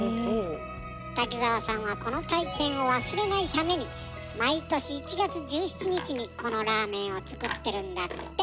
滝澤さんはこの体験を忘れないために毎年１月１７日にこのラーメンを作ってるんだって。